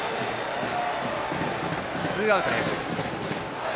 ツーアウトです。